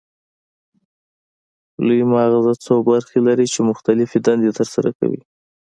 لوی مغزه څو برخې لري چې مختلفې دندې ترسره کوي